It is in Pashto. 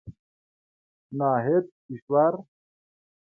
ناهيد کشور